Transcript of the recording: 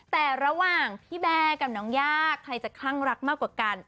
แต่ระหว่างพี่แบร์กับน้องย่าใครจะคลั่งรักมากกว่ากัน